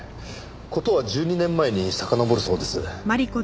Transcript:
事は１２年前にさかのぼるそうです。